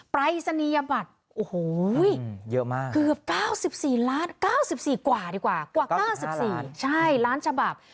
ปลายศนียบัตรเกือบ๙๔กว่าดีกว่า๙๕ล้านใช่ล้านฉบับ